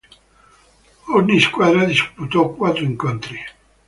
Ogni squadra disputò quattro incontri.